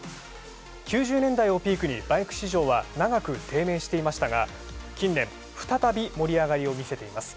９０年代をピークにバイク市場は長く低迷していましたが近年再び盛り上がりを見せています。